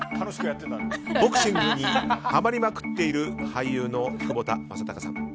ボクシングにハマりまくっている俳優の窪田正孝さん。